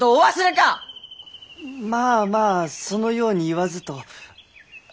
まあまあそのように言わずと。